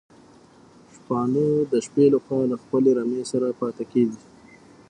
شپانه د شپې لخوا له خپلي رمې سره پاتي کيږي